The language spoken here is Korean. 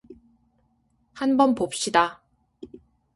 한번 봅시다.